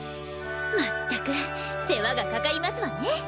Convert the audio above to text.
まったく世話がかかりますわね。